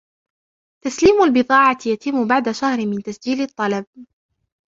تسليم البضاعة يتم بعد شهر من تسجيل الطلب.